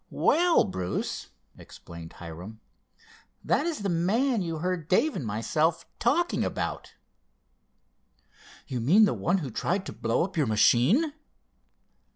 "Well, Bruce," explained Hiram, "that is the man you heard Dave and myself talking about." "You mean the one who tried to blow up your machine?"